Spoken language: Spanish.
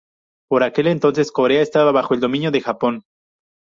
Por aquel entonces Corea estaba bajo el dominio de Japón.